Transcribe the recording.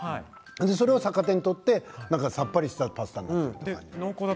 それを逆手に取ってさっぱりしたパスタみたいな。